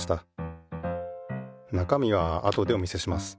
なかみはあとでお見せします。